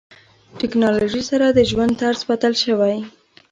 ټکنالوژي سره د ژوند طرز بدل شوی.